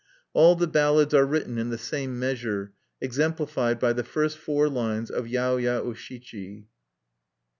All the ballads are written in the same measure, exemplified by the first four lines of "Yaoya O Shichi."